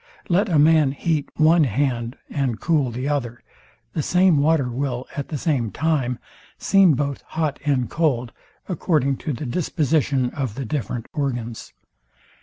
Let a man heat one hand and cool the other; the same water will, at the same time, seem both hot and cold, according to the disposition of the different organs.